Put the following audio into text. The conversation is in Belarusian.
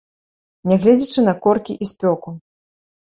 Нягледзячы на коркі і спёку.